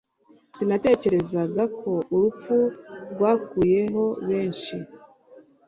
Sinatekerezaga ko urupfu rwakuyeho benshi